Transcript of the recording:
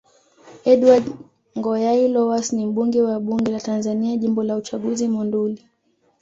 Edward Ngoyai Lowass ni mbunge wa Bunge la Tanzania Jimbo la uchaguzi Monduli